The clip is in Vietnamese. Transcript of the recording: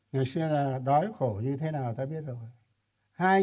ngày xưa là đói khổ như thế nào ta biết rồi